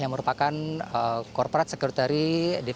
yang merupakan corporate secretary division head dari mrt jakarta ini